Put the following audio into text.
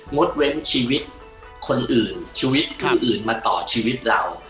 ดเว้นชีวิตคนอื่นชีวิตผู้อื่นมาต่อชีวิตเรา